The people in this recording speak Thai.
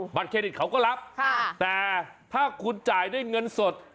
เครดิตเขาก็รับแต่ถ้าคุณจ่ายด้วยเงินสด